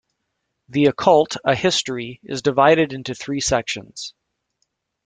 "The Occult: A History" is divided into three sections.